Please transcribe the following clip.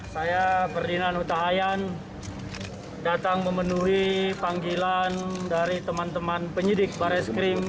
saya ferdinand huta hayan datang memenuhi panggilan dari teman teman penyidik baris krim